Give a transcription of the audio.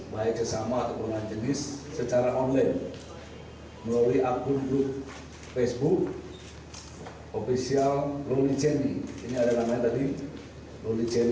mereka menunjukkan kembali ke facebook ofisial loli jenny